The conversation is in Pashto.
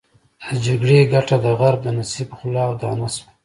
د جګړې ګټه د غرب د نصیب خوله او دانه شوه.